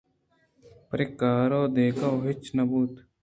پرے کار ءَ دگہ وَ ہچ نہ بُوت